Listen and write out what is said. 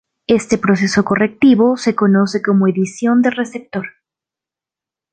Este proceso correctivo se conoce como edición de receptor.